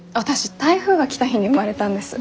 台風が来た日に生まれたんです。